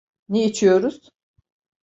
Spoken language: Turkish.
Ne içiyoruz?